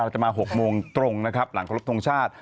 จะมา๖โมงตรงนะครับหลังครบทรงชาติ